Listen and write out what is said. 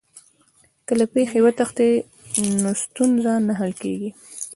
که له پېښي وتښتې نو ستونزه نه حل کېږي.